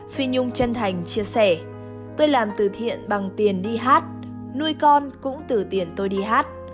phi nhung chân thành chia sẻ tôi làm từ thiện bằng tiền đi hát nuôi con cũng từ tiền tôi đi hát